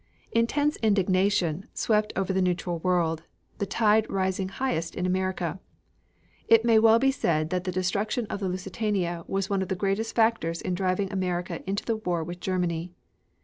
Intense indignation swept over the neutral world, the tide rising highest in America. It well may be said that the destruction of the Lusitania was one of the greatest factors in driving America into the war with Germany.